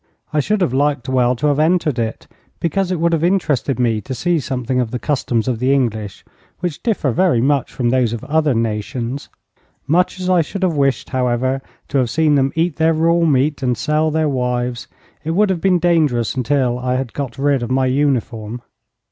I should have liked well to have entered it, because it would have interested me to see something of the customs of the English, which differ very much from those of other nations. Much as I should have wished, however, to have seen them eat their raw meat and sell their wives, it would have been dangerous until I had got rid of my uniform.